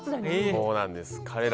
そうなんです。